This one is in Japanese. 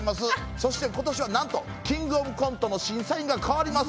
そして今年はなんと『キングオブコント』の審査員が変わります。